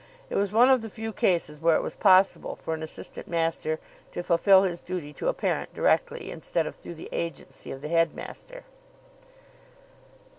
It was one of the few cases where it was possible for an assistant master to fulfil his duty to a parent directly, instead of through the agency of the headmaster.